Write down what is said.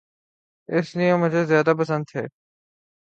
اسی لیے مجھے زیادہ پسند تھے۔